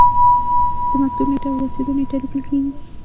د مکتوب نیټه او رسیدو نیټه لیکل کیږي.